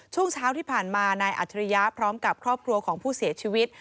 ช่วงเช้าที่ผ่านมานายอัจฉริยะพร้อมกับครอบครัวของผู้เสียชีวิต